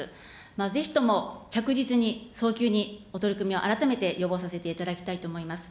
ぜひとも着実に、早急にお取り組みを改めて要望させていただきたいと思います。